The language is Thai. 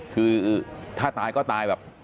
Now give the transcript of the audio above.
คือถ้าตายก็ตายแบบ